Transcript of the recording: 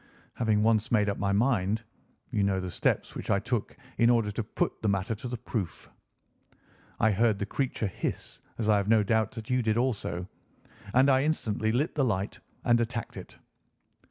Having once made up my mind, you know the steps which I took in order to put the matter to the proof. I heard the creature hiss as I have no doubt that you did also, and I instantly lit the light and attacked it."